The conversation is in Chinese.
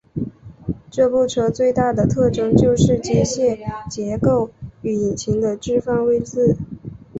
这部车最大的特征就是机械结构与引擎的置放位子。